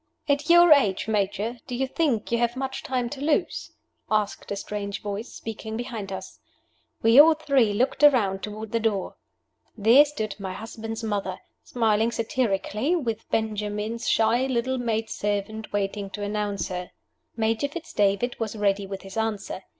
"At your age, Major, do you think you have much time to lose?" asked a strange voice, speaking behind us. We all three looked around toward the door. There stood my husband's mother, smiling satirically, with Benjamin's shy little maid servant waiting to announce her. Major Fitz David was ready with his answer.